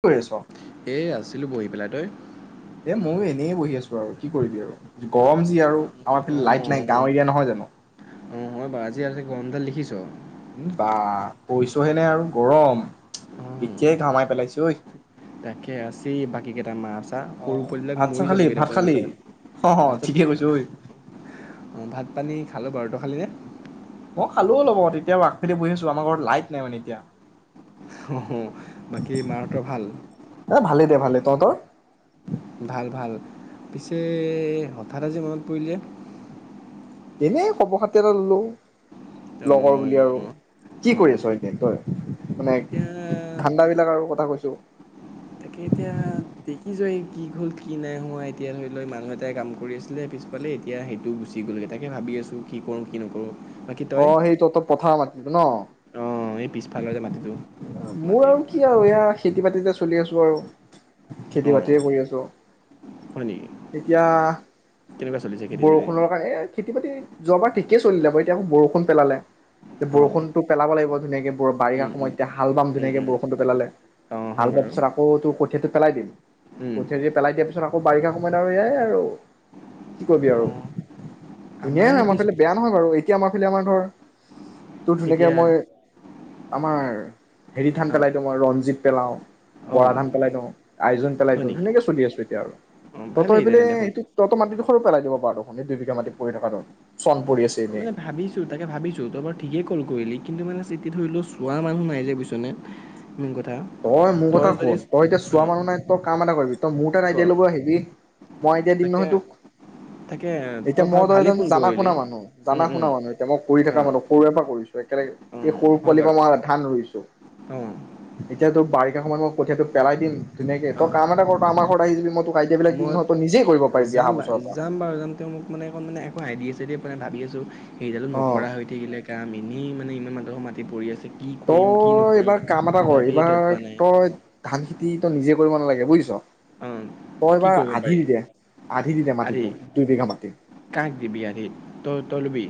কি কৰি আছ? এ আছিলোঁ বহি পেলাই, তই? এ ময়ো এনেই বহি আছোঁ আৰু কি কৰিবি আৰু গৰম যি আৰু আমাৰ অ ফালে লাইট নাই গাওঁ এৰিয়া নহয় জানোঁ। মই বা আজি গৰম ডাল দেখিছ। উম, বা কৰিছোহে নাই আৰু গৰম এতিয়াই ঘামাই পেলাইছোঁ ঐ। তাকে, আছে বাকী কেইটা মাছ। টা অ সৰু পোৱালি বিলাক ভাত চাত মৰি খালি যাবগৈ ভাত দেখোন খালি? এনেকুৱা, অ অ ঠিকে কৈছ ঐ তাৰপিছত ভাত পানী খালোঁ বাৰু। তই খালিনে? মই খালোও অলপ অগত এতিয়া আগফেলাল বহি আছোঁ। আমাৰ ঘৰত লাইট নাই মানে এতিয়া। অ' বাকী মাহঁতৰ ভাল। এ ভালেই দে ভালে তহঁতৰ ভাল ভাল। পিছে হঠাৎ আজি মনত পৰিলে যে। এনেই খবৰ খাতে ললো লগৰ বুলি আৰু অঁ কি কৰি অঁ আছ ঠিক এনেই তই মানে এতিয়া ধনদা বিলাকৰ আৰু কথা কৈছো তাকে এতিয়া দেখি য কি হ'ল কি নাই হোৱা এতিয়া ধৰি লওক মানুহ এটাই কাম কৰি আছিলে পিছফালে এতিয়া সেইটো গুচি গ'লগৈ তাকে ভাবি আছোঁ কি কৰোঁ কি নকৰোঁ বাকী তই অ সেইটো তহঁতৰ পথাৰ মাটিটো ন অঁ এই পিছফালৰ যে মাটিটো মোৰ মাটি আৰু কি আৰু এয়া খেতি বাতিত চলি আছোঁ আৰু খেতি অঁ বাতি যে কৰি আছোঁ হয় নেকি এতিয়া কেনেকুৱা চলিছে খেতি চেতি বৰষুণৰ কাৰণে খেতি বাতি যোৱাবাৰ ে চলিলে বাৰু এতিয়া বৰষুণ পেলালে। অঁ বৰষুণতো পেলাব লাগিব ধুনীয়াকে বাৰিষা উম সময় উম এতিয়া হাল বাম উম ধুনীয়াকে উম বৰষুণটো পেলালে, অঁ হাল হয় বোৱাৰ বাৰু পিছত আকৌ তোৰ কঠীয়াটো পেলাই দিম, উম কঠীয়াটো পেলাই দিম, কঠীয়া দি পেলাই দিয়া পিছত আকৌ বাৰিষা সময়ত আৰু এয়াই আৰু কি কৰিবি আৰু অঁ ধুনাই আমাৰ হয় মই পিছ পালে বেয়া নহয় বাৰু কে আমাৰ ফে আমাৰ ধৰ তোৰ ধুনীয়াকে এতিয়া মই আমাৰ হেৰি ধান অঁ পেলাই দিওঁ মই ৰঞ্জিত পেলাও অঁ বৰা ধান পেলাই দিওঁ আইো পেলাই হয় দিওঁ নেকি ধুনেকে চলি আছো এতিয়া আৰু অঁ তহঁতৰ ভালেই পিনে তেনে দেখোন সেইটো তহঁতৰ মাটিতো সৰু পেলাই দিব পাৰো শুনি দুই বিঘা মাটি পৰি থকা চন পৰি আছে তই এনেই মানে ভাবিছো তাকে ভাবিছো তই বাৰ ঠিক কল কৈলি কিন্তু মানে চিটি ধৰি লও চোৱা মানুহ নাই যে পিছনে তই মোৰ কথা কত তই এতিয়া অ চোৱা মানুহ নাই তই কাম এটা কৰিবি ত মোৰ তাত ক আইডিয়া ল'ব হেবি মই এতিয়া দিম তাকে নহয় তোক, তাকে তই এতিয়া ভাল মই ধৰ ভালেই এজন ফোন জানা কৰিলি শুনা মানুহ, উম জানা উম শুনা মানুহ এতিয়া মই কৰি অ থকা মানুহ সৰুৰে পৰা কৰিছো ৰে অ [unintelligible] এই সৰু হয় পোৱালিৰ পৰা বাৰু মই ধান ৰুইছো অ এতিয়াটো বাৰষা সময় মই কঠীয়াটো পেলাই দিম ধুনীয়াকে, অ তই কাম এটা কৰ তই আমাৰ ঘৰত আহি যিবি মই যাম বা পৰা যাম বাৰু যাম তেওঁ মোক মানে একো মানে একো আইডিয়া পোৱা মানে ভাবি আছো সেইডালো অ নকৰা হৈ থাকিলে কাম সি মানে ইমান মানুহৰ মাতি পৰি আছে কি কৰিম কি তই নকৰিম এইবাৰ কাম এটা কৰ ভাবিয়ে তত পোৱা এইবাৰ নাই তই ধান খেতি ো নিজে কৰিব নালাগে বুজিছ অ তই কি এবাৰ কৰিব আধি পাৰি দি দে আধি দি দে আদি মাটিটো দুই বিঘা মাটি কাক দিবি আদি তই ৰুবি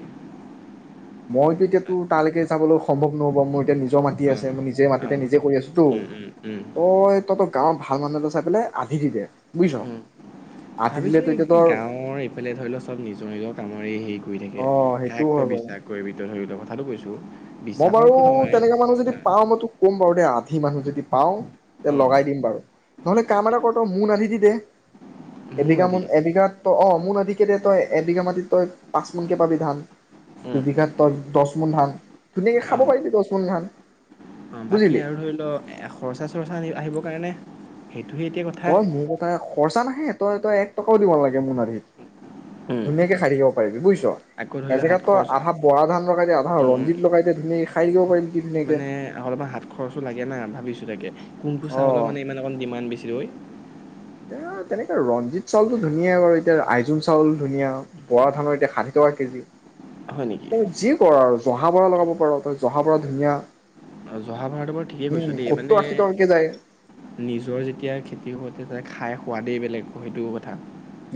মইতো এতিয়া তোৰ তালৈকে যাবলৈ সম্ভৱ নহ'ব মোৰ এতিয়া নিজৰ মাটি অ আছে মই নিজে অ মাটিতে নিজে কৰি আছোতো উম উম উম তই, তহঁতৰ গাঁৱৰ ভাল মানুহ এটা চাই পেলাই আধি দি দে বুজিছ আধি দিলে ভাবিছো তই এই এতিয়া তোৰ গাঁৱৰ এইফালে ধৰি লোৱা চব নিজৰ নিজৰ কামত হয় সেই ঘূৰি থাকে অ সেইটোও কাক হয় তই বাৰু বিশ্বাস কৰিবি তই কথাটো কৈছো আৰু [unintelligible] মই বাৰু তেনেকা মানুহ যদি পাও মই তোক ক'ম বাৰু দে আধি মানুহ যদি পাওঁ তে অঁ লগাই দিম বাৰু নহলে কাম এটা কৰ ত মোন আধি দি দে মোৰ এবিঘা মাটি মোন এবিঘাত ত অ মোন আধিকেই দে তই এবিঘা মাটিত তই পাঁচ মোনকে পাবি ধান অঁ দুবিঘাত তই দহ মোন ধান ধুনীয়াকে খাব অঁ পাৰিবি দহ মোন ধান বাকী বুজিলি আৰু ধৰি লওক খৰচা চৰ্চা আহিব নাই নাই তই মোৰ কথা খৰচা নাহে তই তই এক টকাও দিব লাগে মোন আধিত উম, ধুনীয়াকে খাই থাকিব পাৰিবি বুজিছ আকৌ ধৰি লওক হাত এজেগাত তই খৰচ আধা বৰা ধান লগাই দে আহ উম, উম, ৰঞ্জিত লগাই ধুনিয়াকে খাই থাকিব পাৰিবি কি ধুনীয়াকে মানে অলপমান হাত খৰচো লাগে না ভাবিছো তাকে কোনটো অ চাহ হলে মানে ইমান অক ডিমাণ্ড বেছি হয় এ তেনেকে ৰঞ্জিত চাউলতটো ধুনীয়াাই বাৰু এতিয়া আইজোং চাউল ধুনীয়া বৰা ধানৰ এতিয়া ষাঠি টকা কেজি হয় নেকি এ যি কৰ আৰু জহা বৰা লগাব পাৰোঁ ত জহা বৰা ধুনীয়া মহাভাৰতৰ পৰা ঠিকেই উম কৈছ দেই সত্তৰ মানে আশী টকাকে যায় নিজৰ যেতিয়া খেতি বাতিৰ পৰা খাই সোৱাদেই বেলেগ সেইটো কথা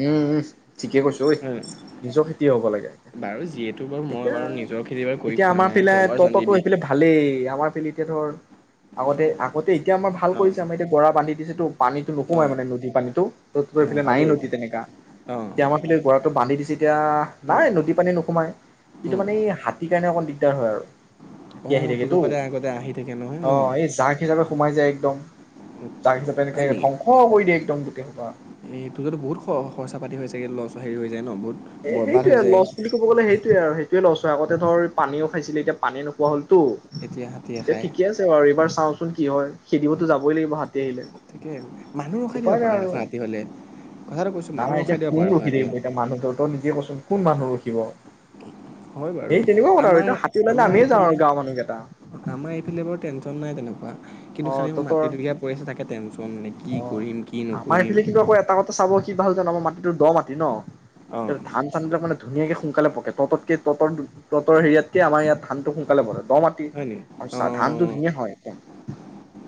উম উম ঠিকে কৈছো ঐ উম, নিজৰ খেতি হ'ব লাগে এতিয়া বাৰু যিহেতু বাৰু মই এতিয়া বাৰু নিজৰ খেতি বাৰু কৰি এতিয়া খোৱা আমাৰ নাই ফালে তই বাৰু ততো জানিবি। সেইফালে ভালেই আমাৰ এতিয়া ধৰ আগতে আগতে এতিয়া আমাৰ ভাল অ', কৰিছে আমাৰ এতিয়া গৰা বান্ধি দিছেটো পানীতটো নোসোমাই অ', মানে নদীৰ পানীতটো ত এইফে অ', ভালেই নদ তেন [unintelligible] অ', এতিয়া আমাৰ ফেলে গৰাটো বান্ধি দিছে এতিয়া উম, নাই নদী পানী নোসোমাই কিন্তু উম, মানে এই হাতীৰ কাৰণে অকণ দিগদাৰ হয় আৰু আহি অ', তোৰ থাকেেতো ফালে আগতে আহি থাকে নহয় অ ন? এই যাক হিচাপে সোমাই যায় একদম তাক হিচাপে এনেকে হয় নেকি? ধ্বংস কৰি দিয় একদম তেতিা [unintelligible] এই তোৰতো বহুত খৰচা পাতি হৈ যাগে ল হেৰি হৈ যায় ন বহুত এ বৰবাদ সেইটোয়ে হৈ যায় লচ বুলি ক'ব গ'লে সেইটোয়ে আৰু তে লছ আগতে ধৰ পানী খাইছিল এতিয়া পানী নোখোৱা হ'লতো এতিয়া হাতীয়ে এ খায়। ঠিকে আছে বাৰু এইবাৰ চাওঁচোন কি হয় সেই দিবতো যাবই লাগিব হাত তাকে মানুহ ৰখাই দিব পাৰ আৰু এখন ৰাতি হলে কথাটো কৈছো নাই মানুহ এতিয়া ৰখাই দিব কোন পাৰ এখন ৰখি ৰাতি থাকিব এতিয়া মানুহটো তই নিজে হল কোন মানুহ ৰখিব হয় বাৰু সেই তেনেকুৱা কথা আৰু আমাৰ এতিয়া হাতী ওলালে আমাৰ আমিয়ে যাওঁ আৰু এইফালে গাঁৱৰ মানুহকেইটা আমাৰ এইফালে বাৰ নাই তেনেকুৱা অ কিন্তু খালি মোৰ তহঁতৰ মাটি দুবিঘা পৰি আছে তাকে টেনশচন নে কি অ কৰিম কি আমাৰ নকৰিম এইফালে কিন্তু আকৌ এটা কথা চাব কি ভাল জান আঁ মই মাটিটো দ মাটি ন অঁ তাৰ ধান চানাক মানে ধুনীয়াকৈ সোনকালে পকে ততকৈ তহঁতৰ তহঁতৰ হেয়াতকৈ আমাৰ ইয়াত ধানটো সোনকালেই দ মাটি হয় নি আৰু চাহ ধানটো অঁ ধুনীয়া হয় একদম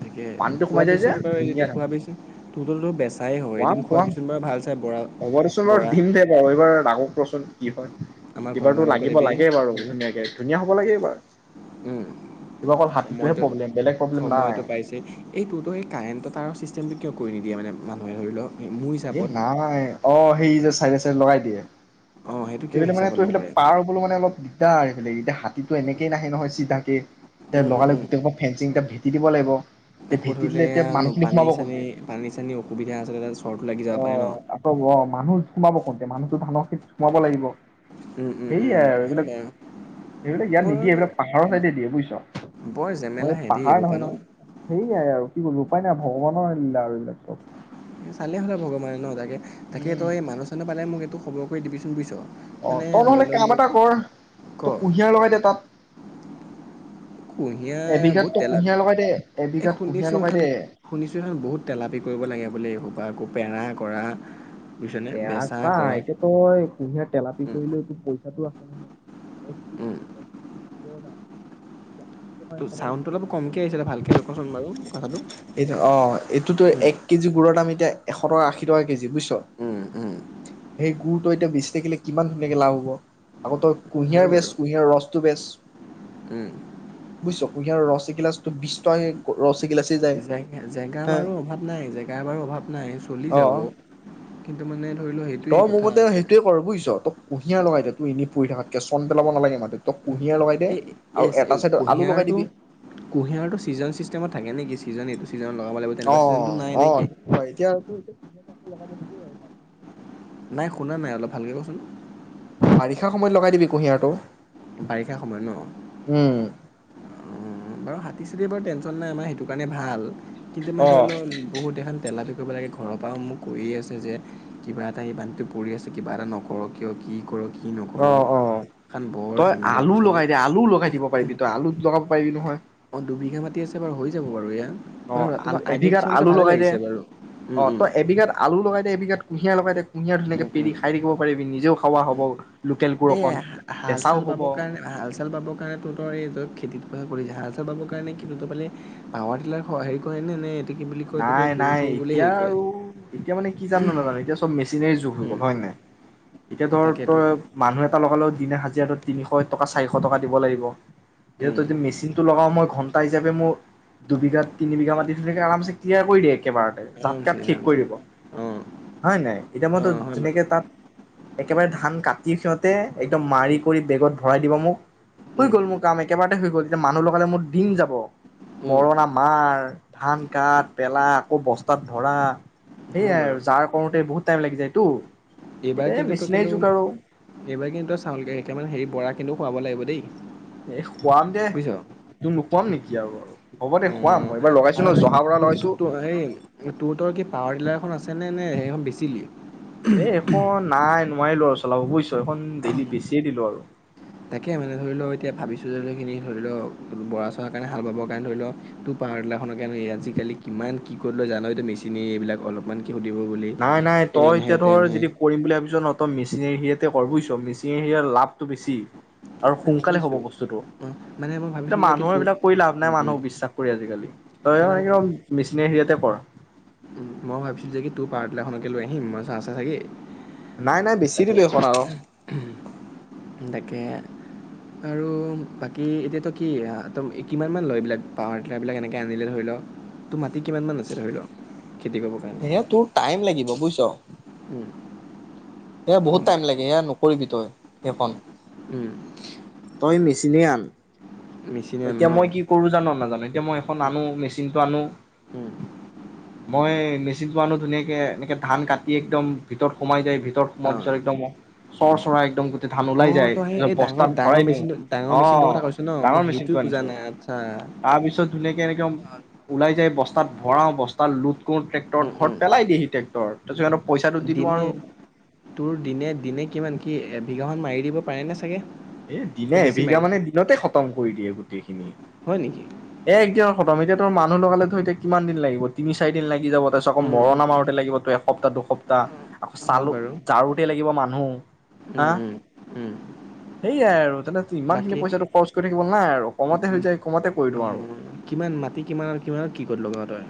তাকে পানীটো সোমাই যায় যে খোৱাবিচোন বাৰু এ ধুনীয়া ধান হয় খোৱাবিচোন তহতোৰ বেচাই হয় খুৱাম এদিন খুৱাম খোৱাবিচোন বাৰু ভাল চাই বৰা বৰা প্ৰচন কি হয় আমাৰ ঘৰৰ কিবাৰতো মানুহকো লাগিব দিবি লাগে বাৰু উম ধুনীয়াকে ধুনীয়া হ'ব লাগে হয় উম কিবা অকল হাতীতোহে সময়টো প্ৰব্লেম বেলেগ প্ৰব্লেম নাই সময়টো পাইছে এইটোতো এই কাৰেণ্ট তাৰ চিষ্টেমটো কিয় কৰি নিদিয় মানোনুহে ধৰিও এ নাই অঁ হেৰি যে চাইড চাই লগাই দিয়ে অঁ সেইটো কিয় স মানে হিচাপত তোৰ সেই নকৰে পাৰ হ'বলৈ মানে অলপ চা আৰুফলে এতিয়া হাতীতটো এনেকেই নাহে নহয় চিধাকে তে উম উম লগালে উম গোটেই ফেঞ্চিং এটা ভেটি দিব লাগিব তেয়া আকৌ ভেটি ধৰি দিলে লও এতিয়া এয়া মানুহখিনি পানী সোমাব চানী কোনতে পানী চানী অসুবিধা আছে তাত চৰ্ট লাগি যাব অ পাৰে ন আকৌ অ অমানুহ সোমাব কোনতে মানুহটো ধানৰ ক্ষেতত সোমাব লাগিব উম উম সোই উম আৰু হয় এইবিলাক বাৰু এইবিলাক ইয়াত বৰ নিদিয়ে এইবিলাক পাহাৰৰ চাইডে দিয়ে বুজিছ বৰ অঁ জেমেলাহে দেই পাহাৰ এইবোৰ পা নহয় ন নহয় হেৰি নাই আৰু কি কৰিলো উপায় নাই ভগৱানৰ আহলিলা আৰু এইবিলাক তত চালি আহহঁলে ভগৱানে ন তাকে তাকে উম তই মানুহ চানহ পালে মোক এইটো খবৰক কৰি দিবি ছু্বৈছশ অঁ তই নহলে কাম এটা কৰ ক তই কুঁহিয়াৰ লগাই দে তাত কুঁহিয়াৰ এবিঘাত বহুত তই তেল কুঁহিয়াৰ লগাই দে এই এবিঘাত কুঁহিয়াৰ শুনিছো লগাই সখন দে শুনিছো সখন বহুত তেলাপি কৰিব লাগে বোলে এইহোপা ক পেৰা কৰা বুজিছনে পেৰা বেচা চা কৰা এতিয়া তই কুঁহিয়াৰ তেলাপি উম কৰিলেও তো পইচা সটো আছে নহয় এক কেজিত উম এক কেজিত দৰৰ দাম তোৰ চাউণ্ডটো অলপ কমকে আহিছিলে ভালকে কচোন বাৰু কথাটো য টো অ এইটোতো উম এক কেজি গুড় দাম এতিয়া এশ টকা আশী টকা কেজি বুইছ উম উম সেই গু়ৰটো এতিয়া বিচিথাকিলে কিমান ধুনীয়াকে লাভ হ'ব আকৌ তই কুঁহিয়াৰ হয় বেজ বাৰু কুঁহিয়াৰ ৰসটো বেজ উম বুজিছ কুঁহিয়াৰ ৰস এগিলাটো বি্ত ৰ জেগ জেগা বাৰু অভাৱ নাই জেগা বাৰু অভাৱ নাই চলি অ যাব কিন্তু মানে ধৰি লও সেইটোৱেই তই মোৰ কথা মতে যে সেইটোয়ে কৰ বুজিছ তই কঁহিয়া লগাই দে তো এনেই পৰি থাকাতকে চন পেলাব নালাগে মা [unintelligible] এই এই লগাই কুঁহিয়াৰটো দিবি কুঁহিয়াৰটো ছিজন চিষ্টেমত থাকে নেকি [unintelligible] এইটো ছিজনত লগাব অ লাগিব তেনেকুৱা অ ছিজনটো নাই এতিয়া নে কি? আৰু এ আকৌ লগাব দিবই আৰু তাত নাই শুনা নাই অলপ ভালকৈ কচোন বাৰিষা সময়ত লগাই দিবি কুঁহিয়াৰটো বাৰিষা সময়ত উম ন অঁ বাৰু হাতী ছাতী এবাৰ টেনশ্যন নাই আমাৰ সেইটো কাৰণে ভাল কিন্তু মানে অ ধৰি লও বহুত এখন তেলাপি কৰিব লাগে ঘৰৰ পৰাও মোক কৈয়ে আছে যে কিবা এটা এই বান্ধটো পৰি আছে কিবা এটা নকৰক কিয় কি কৰ কি নকৰ। অ অ এখন বৰ তই জেমেলা আলু বুজিছানে? লগাই দে আলু লগাই দিব পাৰিবি তই আলু লগাব পাৰি নহয় দুবিবিঘা মাতি আছে বাৰু হৈ যাব বাৰু এয়া অ বাৰু আল তোমাৰ আইডিয়া এবিঘাত কিছুমান দিছা আলু ভালে লগাই দে লাগিছে বাৰু। উম অ ত উম এবিঘাত আলু লগাই দে এবিঘাত কুহিয়া লগাই দে ধুনীয়া ধুনীয়াকে উম পেৰি খাই থাকিব পাৰিবি নিজে নিজও খাবা হ'ব লোকেল গুৰ এ অকণ হাল বেচাও চাল হ'ব বাবৰ কাৰণে হাল চাল বাবৰ কাৰণে তোৰ তৰ এই খেতিত জাল চাৰ পাব কাৰণে কি দুত পালে পাৱাৰ টিলাৰ হেৰি কৰেনে নে কি বুলি কয় তহঁতৰ নাই এই গৰু নাই চৰু বুলি এতিয়া হেৰি কৰে আৰু এতিয়া মানে কি জান নাজান এতিয়া চব মেচিনেৰি যুগ হ'ল হয়নে উম নাই এতিয়া ধৰ ত তাকেতো মানুহ এটা লগালে দিনে সাজি তিনিশ টকা চাৰিশ টকা দিব লাগিব উম [unintelligible] মেচিন টো লগাও মই ঘন্টা হিচাপে মোৰ দুবিঘাত তিনি বিঘা মাতি আৰামচে তিয়া কৰি দিয়ে একেবাৰতে জাত কাত আৰমছে শেষ কৰি আৰমছে দিব অহ' হয় নাই, এতিয়া মোৰতো যেুনেকে তাত একেবাৰে ধান কাটি সিহঁতে একদম মাৰি উম কৰি বেগত ভৰাই দিব মোক হৈ উম গ'ল মোৰ কাম একেবাৰতে হৈ গ'ল, এতিয়া মানুহ লগালে মোৰ দিন যাব উম মৰণা মাৰ, ধান কাট পেলা, আকৌ বস্তাত ভৰা। হয় সেইয়াই বাৰু আৰু যাৰ কৰোঁতে বহুত টাইম লাগি যায়টো। এইবাৰ কিন্তু তই কিন্তু, এইবাৰ কিন্তু চাউল কেইটামান হেৰি, বৰা কিন্তু খুৱাব লাগিব দেই। এ, খোৱাম দে, বুজিছ তোক নুখোৱাম নেকি! [unintelligible] আৰু, হ'ব দে। খুৱাম অঁ মই এইবাৰ লগাইছো ন আৰু এই জহা বৰা লগাইছো তো-তো-তোৰ, এই তোহোতৰ কি পাৱাৰ টিলাৰখন আছে নে, নে সেইখন বেচিলি? নোৱাৰিলোঁ আৰু চলাব বুজিছ! সেইখন ডেইলি, বেছিয়ে দিলোঁ আৰু। তাকে মানে ধৰি ল, এতিয়া ভাবিছোঁ যে কিনি, ধৰি ল, বৰা-চৰা কাৰণে হাল বাবৰ কাৰণে ধৰি ল, টোৰ পাৱাৰটিলাৰখনৰ কাৰণে এই আজিকালি কিমান, কি, ক'ত লয় জানইটো মেচিনেৰী এইবিলাক অলপমান কি সুধিব বুলি নাই, নাই। তই এনেহে এতিয়া ধৰ তেনেহে যদি কৰিম বুলি ভাবিছ ন তই মেচ মিচিনেৰী সেয়াতে কৰ বুইছ! মিচিনৰ হেৰিয়াত লাভটো বেছি। আৰু সোনকালে হ'ব ভাবিছোঁ বস্তুতটো। মানে মই তেতিয়া ভাবিছিলোঁ যে কি মানুহৰ তোক এইবিলাক কৰি লাভ উম নাই, উম মানুহক বিশ্বাস কৰি আজিকালি। তয় মানে মই একদম মেচিনে হেৰিয়াতে পৰ মই ভাবিছিলোঁ যে, কি তোৰ পাৰ্টলাৰ এখনকে লৈ আহিম, মই চা-চা-চাগি নাই নাই বেছি তাকে, দিলো এখন আৰু তাকে। আৰু বাকী! এতিয়াটো কি এয়া, ত' কিমানমান লয় এইবিলাক পাৱাৰটিলাৰবিলাক এনেকৈ আনিলে ধৰি ল, তোৰ মাটি কিমানমান আছে, ধৰি ল? সেয়া তোৰ টাইম লাগিব বুইছ! উম। এয়া বহুত টাইম লাগে, এয়া আনো পৰিপিত হয় সেইখন উম। তই মেচিনে আন মেচিনে আনো এতিয়া ন? মই কি কৰো জানো নাজানো এতিয়া মই উম, আন মেচিনটো আনো উম, মই মেচিনটো আনো ধুনীয়াকে এনেকে ধান কাটি একদম ভিতৰত সোমাই যায়। মই পিছত অ', একদমই চৰ চৰা একদম গোটেই ধান ওলাই অ', তই সেই এই ডাঙৰ বস্তাত ডাঙৰ ভৰাই দিওঁ মেচিনটো ডাঙৰ মেচিনটোৰ কথা অ' কৈছ ন? মই ডাঙৰ মেচিন সেইটো টো বুজা আনিছো নাই আচ্ছা। তাৰ পিছত ধুনীয়াকে এনেকে ওলাই যায় বস্তাত ভৰাও বস্তাত লোট কৰো ট্ৰে্ট উম, উম, ঘৰত পেলাই দিয়ে স ট্ৰে্টৰ তাৰপিছত পইচাটো দি দিওঁ দিনে আৰু তোৰ দিনে দিনে কিমান কি এ ভঘাখন মাৰি দিব পাৰেনে চাগে? এ দিনে নে বেছি এবিঘা মাৰি মানে দিনতে খতম কৰি দিয়ে গোটেই। হয় নেকি? প্ৰথম এতিয়া তোৰ মানুহ লগালে ধৰি এতিয়া কিমান দিন লাগিব তিনি চাৰি দিন লাগি যাব তাৰপিছত আকৌ উম, উম, মৰণা মাৰোতে লাগিব তো এসপ্তাহ দুসপ্তাহ। উম, আকৌ হয় চালো বাৰু। জাৰু দিয় লাগে কিয় মানুহ হা উম, উম, উম, সেইয়াই আৰু তনে ইমান খিনি বাকী পইচাটো অ', খৰচ কৰি থাকে একু নাই আৰু কমতে হৈ যায় কমতে কৰি দিওঁ আৰু কিমান মাটি কিমান আৰু কিমানত কি কত লগাও তই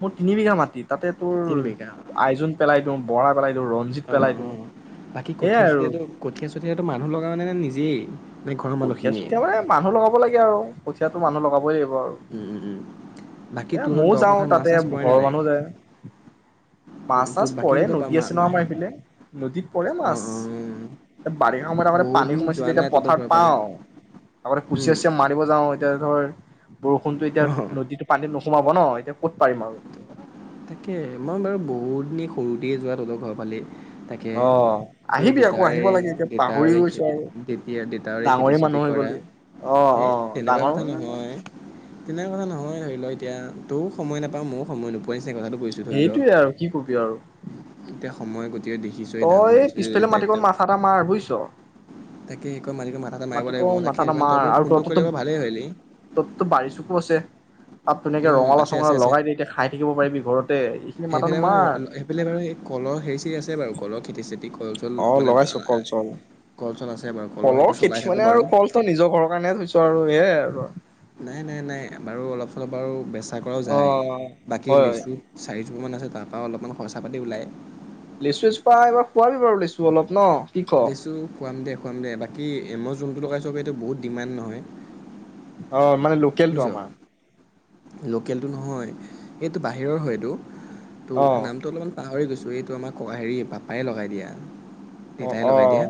মোৰ তিনি বিঘা মাটিত তাতে তোৰ তিনি বিঘা আইজোন পেলাই দিওঁ বৰা পেলাই দিও ৰঞ্জিত অ', পেলাই দিও অ'। বাকী কঠীয়া চঠীয়াটো কঠীয়াঠীয়াটো মানুহ লগাও নে নিজে দি কোঠিয়া চুঠিয়া মানে মানুহ লগাব লাগে আৰু কোঠীয়াতো মানুহ লগাবই লাগিব আৰু উম, উম, উম, বাকী এ তোৰ মইও দ যাও পথাৰত মাছ তাতে চাছ পৰে নে ঘৰৰ নাই? মানুহ ও যায় উম, মাছ তোৰ চাছ বাকী পৰে তহঁতৰ পা নদী মা আছে ন আমাৰ মাহে এপিনে নদীত পৰে অ', মাছ অ', বাৰিষা সময়ত আগতে বহুত পানী দিন যোৱা সোমাইছিলে এতিয়া নাই তহঁতৰ পথাৰ ঘৰৰ ফালে। পাওঁ আগতে উম, কুচিয়াছুচিয়া মাৰিব যাওঁ এতিয়া ধৰ বৰষুণটো এতিয়া অ', নদীতো পানি নোসোমাৱ ন এতিয়া ক'ত পাৰিম আৰু তাকে মই বাৰু বহুত দিনি সৰুতে যোৱা তহঁতৰ ঘৰ ফালে তাকে অ তোৰ আহিবি আকৌ দেতাৰে আহিব লাগে এতিয়া পাহৰি দেতাৰে গৈছো খেতি আৰু তেতিয়া দেতাৰে খেতি ডাঙৰে চেতি মানুহ হৈ কৰা গলি অ হেই অ তেনেকুৱা ডাঙৰ কথা নহয় তেনে কথা নহয় ধৰি ল এতিয়া তইও সময় নাপাওঁ ময়ো সময় নোপোৱাই সেইটোৱে আৰু কি কবি আৰু এতিয়া সময় ক'ত তই পিছফালে মাটিকণ মাথা এটা মাৰ বুজিছ তাকে তই মালিকে মাথাটো মাৰিব লাগিব মাটিকণ মই মাথা তাকে এটা মাৰ তই বাৰু আৰু ফোনটো তহততো কৰিলি ভালেই হলি পছে তাত তেনেকে উম ৰঙালাউ আছে চঙালাউ আছে আছে লগাই দি এতিয়া খাই থাকিব পাৰিবি ঘৰত সেইফালে বাৰু সেইফালে বাৰু এই কলৰ হেৰি চেৰি আছে বাৰু কলৰ খেতি চেতি চল অ মানে লগাইছো কল চল কল চল আছে বাৰু কলৰ সেইটো চলাই খেতি থাকোঁ মানে বাৰু আৰু কলতো নিজৰ ঘৰৰ কাৰণে লৈছো আৰু এয়াই আৰু নাই নাই নাই বাৰু অলপ চলপ বাৰু বেচা কৰাও অ যায় হয় বাকী হয় লেচু চাৰি কিছুমান আছে তাৰপৰা অলপমান খৰচা পাতি ওলায় লেচু, লেচুৰপা খোৱাবি বাৰু লেচু অলপ ন কি ক লেচু খুৱাম দে খুৱাম দে বাকী মই যোনটো লগাই চ এইটো বহুত ডিমাণ্ড নহয় অ মানে লোকেল টো বুজিছ আমাৰ লোকেলটো নহয় এইটো বাহিৰৰ হয়টো তোৰ অ নামটো অলপমান পাহৰি গৈছ চ' এইটো আমাৰ হেৰি পাপাই লগাই দিয়া দেউতাই অ অ লগাই দিয়া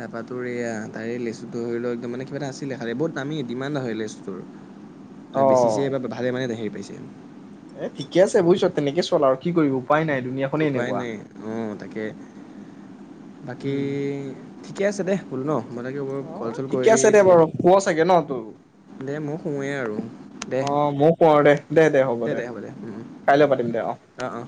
তাৰপাতো এয়া তাৰে লেচুটো ধৰিও একদম মানে কিবা এটা আছিলে খালেই বহুত দামী ডিমাণ্ড হয় লেচুটোৰ আৰু অ বেছ পিছে বা ভালে মানে দেখাই পাইছে তেম [inaudible] এ ঠিকে আছে বুজিছ তেনেকে চল আৰু কি কৰিব উপায় নাই দুুনীয়াখনে উপায় এনেকুৱা নাই অ তাকে বাকী উম ঠিকে আছে দে হলো ন মই লাগে ব কল অ চল ঠিকে কৰিলি আছে দে বাৰু কেলি শুৱ চাগে ন তোৰ দে মোক সোমোৱেই আৰু দে অ ময়ো শুৱ দে দে দে হ'ব দে কাইলৈ পাতিম দে অ অঁ অঁ